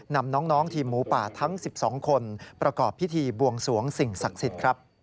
นำน้องทีมหมูป่าทั้ง๑๒คนประกอบพิธีบวงสวงสิ่งศักดิ์สิทธิ์ครับ